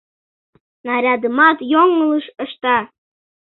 Нарядымат йоҥылыш ышта...